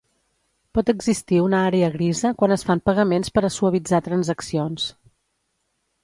Pot existir una àrea grisa quan es fan pagaments per a suavitzar transaccions.